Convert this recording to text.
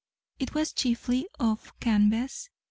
It was chiefly of canvas.